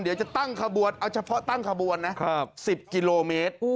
เดี๋ยวจะตั้งขบวนเอาเฉพาะตั้งขบวนนะ๑๐กิโลเมตร